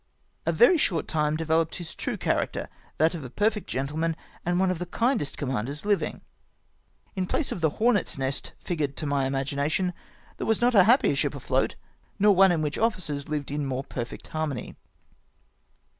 A very short time de veloped liis true character, — that of a perfect gentle man, and one of the kindest commanders hving. . In place of the hornet's nest figured to my imagination, there was not a happier ship afloat, nor one in which officers hved in more perfect harmony.